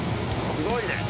すごいね。